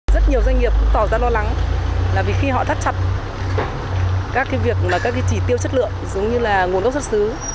các doanh nghiệp cũng tỏ ra lo lắng là khi họ thắt chặt các việc chỉ tiêu chất lượng giống như là nguồn gốc xuất xứ